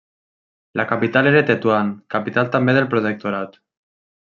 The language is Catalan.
La capital era Tetuan, capital també del protectorat.